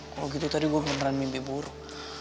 kalau gitu tadi gue beneran mimpi buruk